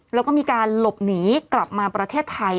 แล้วก็มีการหลบหนีกลับมาประเทศไทย